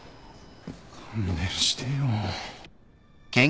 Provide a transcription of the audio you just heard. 勘弁してよ。